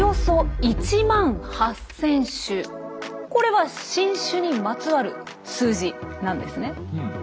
これは新種にまつわる数字なんですね。